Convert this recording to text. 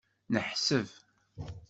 Neḥseb.